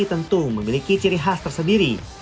tentu memiliki ciri khas tersendiri